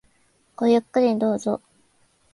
ごゆっくりどうぞ。